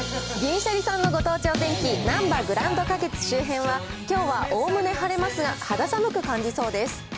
銀シャリさんのご当地お天気、なんばグランド花月周辺はきょうはおおむね晴れますが、肌寒く感じそうです。